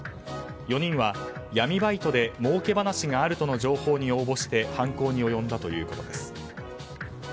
４人は闇バイトでもうけ話があるとの情報に応募して犯行に及んだということです。